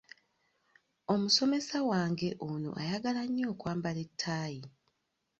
Omusomesa wange ono ayagala nnyo okwambala ettaayi.